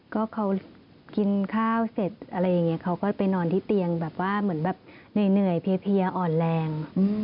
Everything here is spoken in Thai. ก็เขากินข้าวเสร็จอะไรอย่างนี้เขาก็ไปนอนที่เตียงแบบว่าเหมือนแบบเหนื่อยเพียอ่อนแรง